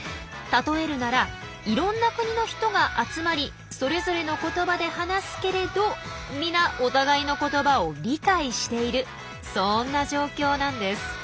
例えるならいろんな国の人が集まりそれぞれの言葉で話すけれど皆お互いの言葉を理解しているそんな状況なんです。